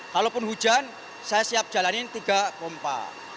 kalau pun hujan saya siap jalanin tiga pompa